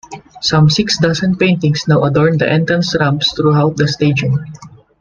Some six dozen paintings now adorn the entrance ramps throughout the stadium.